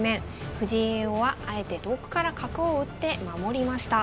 藤井叡王はあえて遠くから角を打って守りました。